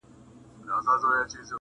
ورته ښکاري ځان له نورو چي ښاغلی,